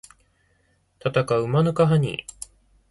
たたかうマヌカハニー